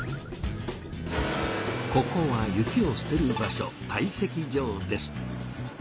ここは雪を捨てる場所「堆積場」です。